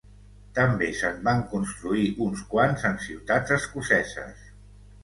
També se'n van construir uns quants en ciutats escoceses.